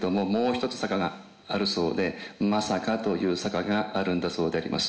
一つ坂があるそうで「まさか」という坂があるんだそうであります。